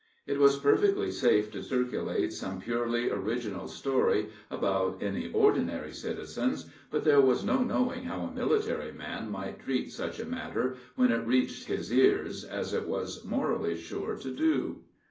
It was perfectly safe to circulate some purely original story about any ordinary citizen, but there was no knowing how a military man might treat such a matter when it reached his ears, as it was morally sure to do.